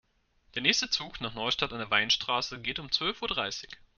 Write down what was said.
Der nächste Zug nach Neustadt an der Weinstraße geht um zwölf Uhr dreißig